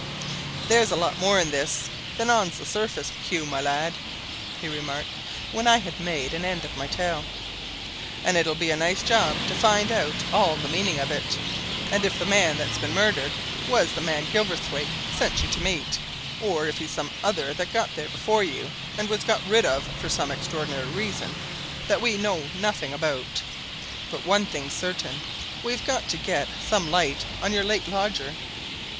"There's a lot more in this than's on the surface, Hugh, my lad," he remarked when I had made an end of my tale. "And it'll be a nice job to find out all the meaning of it, and if the man that's been murdered was the man Gilverthwaite sent you to meet, or if he's some other that got there before you, and was got rid of for some extraordinary reason that we know nothing about. But one thing's certain: we've got to get some light on your late lodger.